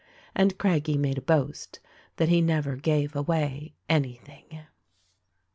And Craggie made a boast that he never gave away anything.